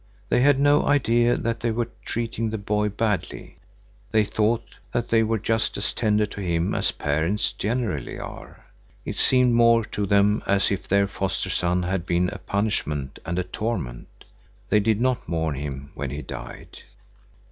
They had no idea that they were treating the boy badly. They thought that they were just as tender to him as parents generally are. It seemed more to them as if their foster son had been a punishment and a torment. They did not mourn him when he died.